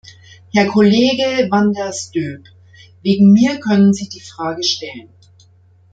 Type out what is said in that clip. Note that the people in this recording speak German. Herr Kollege van der Stoep, wegen mir können Sie die Frage stellen.